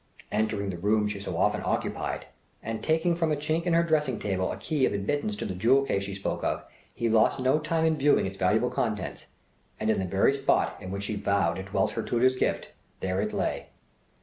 Entering the room she so often occupied, and taking from a chink in her dressing table a key of admittance to the jewel case she spoke of, he lost no time in viewing its valuable contents; and, in the very spot in which she vowed dwelt her tutor's gift, there it lay!